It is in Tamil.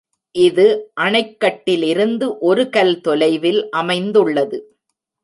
இது அணைக் கட்டிலிருந்து ஒருகல் தொலைவில் அமைந்துள்ளது.